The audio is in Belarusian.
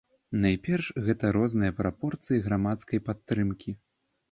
Найперш гэта розныя прапорцыі грамадскай падтрымкі.